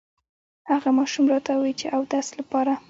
هغه ماشوم راته ووې چې اودس لپاره